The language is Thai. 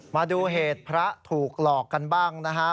มาดูเหตุพระถูกหลอกกันบ้างนะฮะ